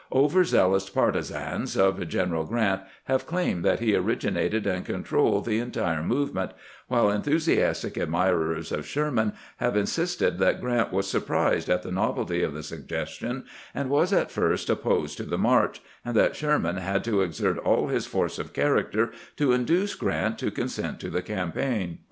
Over zealous partizans of General Grant have claimed that he origi nated and controlled the entire movement ; while enthu siastic admirers of Sherman have insisted that Grant was surprised at the novelty of the suggestion, and was at first opposed to the march, and that Sherman had to exert all his force of character to induce Grant to con sent to the campaign.